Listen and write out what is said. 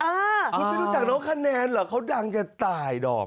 คุณไม่รู้จักน้องคะแนนเหรอเขาดังจะตายดอม